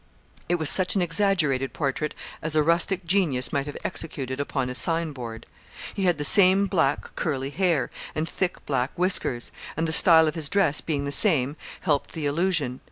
It was such an exaggerated portrait as a rustic genius might have executed upon a sign board. He had the same black, curly hair, and thick, black whiskers: and the style of his dress being the same, helped the illusion.